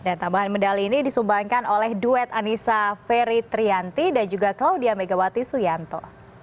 dan tambahan medali ini disumbangkan oleh duet anissa ferry trianti dan juga claudia megawati suyanto